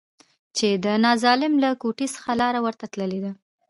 چې د ناظم له کوټې څخه لاره ورته تللې ده.